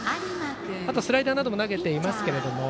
あと、スライダーなども投げていますが。